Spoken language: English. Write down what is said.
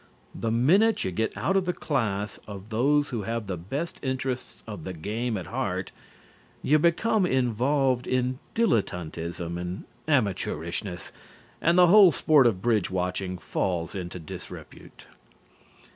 The minute you get out of the class of those who have the best interests of the game at heart, you become involved in dilettantism and amateurishness, and the whole sport of bridge watching falls into disrepute.